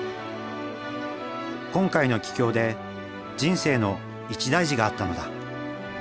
今回の帰郷で人生の一大事があったのだ。